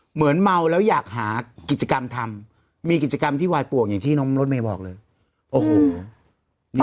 เหมือนเมาแล้วอยากหากิจกรรมทำมีกิจกรรมที่วายปวกอย่างที่น้องรถเมย์บอกเลยโอ้โห